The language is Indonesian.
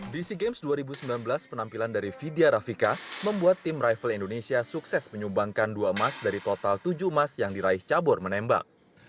di sea games dua ribu sembilan belas penampilan dari vidya rafika membuat tim rival indonesia sukses menyumbangkan dua emas dari total tujuh emas yang diraih cabur menembak